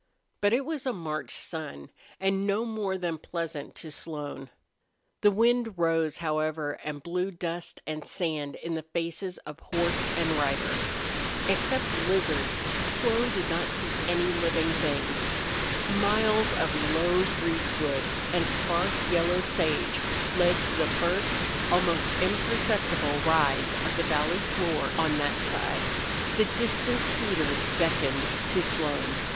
But it was a March sun, and no more than pleasant to Slone. The wind rose, however, and blew dust and sand in the faces of horse and rider. Except lizards Slone did not see any living things. Miles of low greasewood and sparse yellow sage led to the first almost imperceptible rise of the valley floor on that side. The distant cedars beckoned to Slone.